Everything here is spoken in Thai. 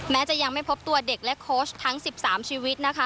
จะยังไม่พบตัวเด็กและโค้ชทั้ง๑๓ชีวิตนะคะ